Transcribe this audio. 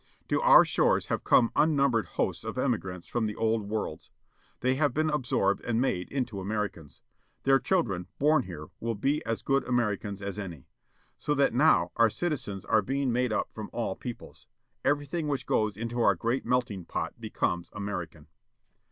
To our shores have come unnumbered hosts of emigrants from the old worlds. They have been absorbed and made into Americans. Their children, bom here, will be as good Americans as any. So that now our citizens are being made up from all peoples. Everything which goes into our great melting pot becomes American.